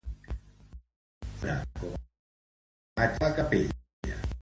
Funciona com a atri extern de la capella.